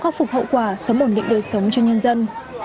khắc phục hậu quả sớm ổn định đời sống cho nhân dân